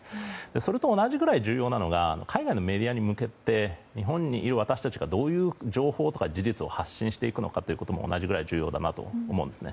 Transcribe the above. それと同じくらい重要なのが海外のメディアに向けて日本にいる私たちがどういう情報とか事実を発信していくのかということも同じぐらい重要だなと思うんですね。